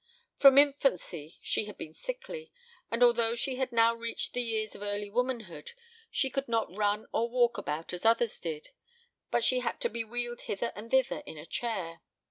From infancy she had been sickly, and although she had now reached the years of early womanhood, she could not run or walk about as others did, but she had to be wheeled hither and thither in a chair.